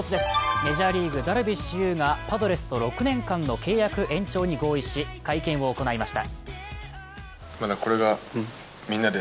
メジャーリーグ、ダルビッシュ有がパドレスと６年間の契約延長に合意し会見を行いました。